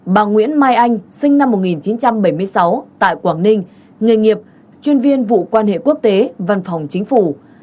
bà nguyễn mai anh sinh năm một nghìn chín trăm bảy mươi sáu tại quảng ninh nghề nghiệp chuyên viên vụ quan hệ quốc tế văn phòng chính phủ